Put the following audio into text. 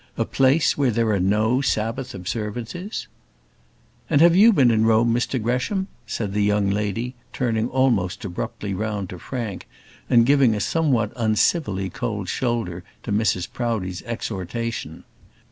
"A place where there are no Sabbath observances " "And have you been in Rome, Mr Gresham?" said the young lady, turning almost abruptly round to Frank, and giving a somewhat uncivilly cold shoulder to Mrs Proudie's exhortation.